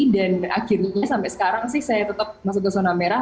dan akhirnya sampai sekarang sih saya tetap masuk ke zona merah